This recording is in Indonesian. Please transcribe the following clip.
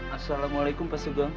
assalamualaikum pak sugong